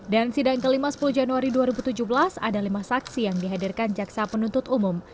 dan sidang kelima sepuluh januari dua ribu tujuh belas ada lima saksi yang dihadirkan jaksa penuntut umum